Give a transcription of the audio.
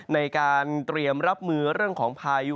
ในการเตรียมรับมือเรื่องของพายุ